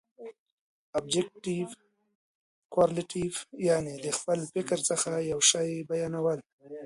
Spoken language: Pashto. ابجګټف کورلیټف، یعني د خپل فکر څخه یو شي بیانول.